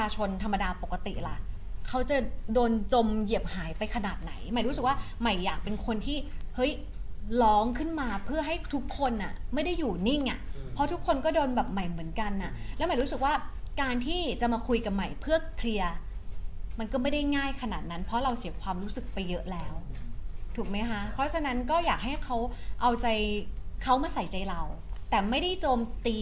ชนธรรมดาปกติล่ะเขาจะโดนจมเหยียบหายไปขนาดไหนหมายรู้สึกว่าใหม่อยากเป็นคนที่เฮ้ยร้องขึ้นมาเพื่อให้ทุกคนอ่ะไม่ได้อยู่นิ่งอ่ะเพราะทุกคนก็โดนแบบใหม่เหมือนกันอ่ะแล้วหมายรู้สึกว่าการที่จะมาคุยกับใหม่เพื่อเคลียร์มันก็ไม่ได้ง่ายขนาดนั้นเพราะเราเสียความรู้สึกไปเยอะแล้วถูกไหมคะเพราะฉะนั้นก็อยากให้เขาเอาใจเขามาใส่ใจเราแต่ไม่ได้โจมตี